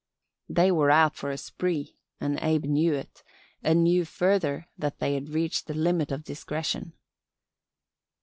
They were out for a spree and Abe knew it and knew further that they had reached the limit of discretion.